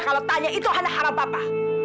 kalau tanya itu hanya harap papa